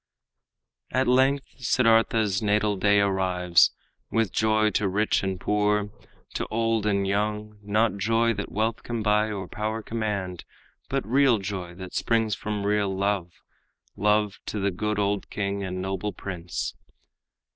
At length Siddartha's natal day arrives With joy to rich and poor, to old and young Not joy that wealth can buy or power command, But real joy, that springs from real love, Love to the good old king and noble prince.